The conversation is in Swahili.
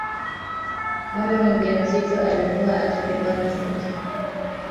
baada ya Saudi Arabia kumuua kiongozi maarufu wa kishia